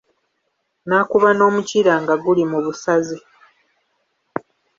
Naakuba n'omukira nga guli mu busaze.